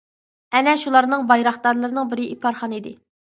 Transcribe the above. ئەنە شۇلارنىڭ بايراقدارلىرىنىڭ بىرى ئىپارخان ئىدى.